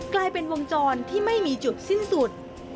กลายเป็นวงจรที่ไม่มีจุดสิ้นสุด